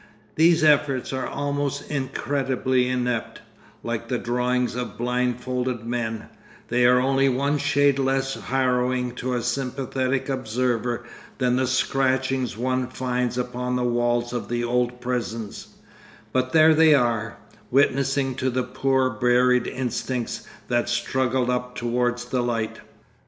These efforts are almost incredibly inept, like the drawings of blindfolded men, they are only one shade less harrowing to a sympathetic observer than the scratchings one finds upon the walls of the old prisons, but there they are, witnessing to the poor buried instincts that struggled up towards the light.